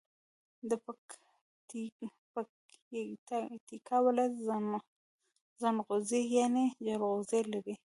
د پکیتکا ولایت زنغوزي یعنی جلغوزي لري.